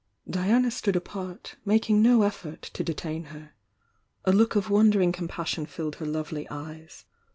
Diana stood apart, making no effort to detain her. A look of wondering compassion filled her lovely eyes.